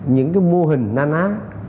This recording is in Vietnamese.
những cái mô hình naná